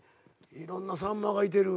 いろんなさんまがいてる。